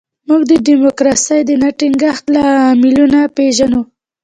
موږ د ډیموکراسۍ د نه ټینګښت لاملونه پېژنو.